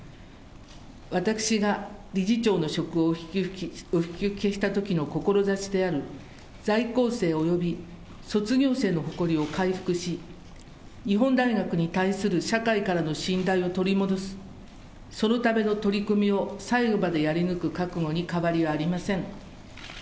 私が理事長の職をお引き受けしたときの志である、在校生および卒業生の誇りを回復し、日本大学に対する社会からの信頼を取り戻す、そのための取り組みを最後までやり抜く覚悟に変わりはありません。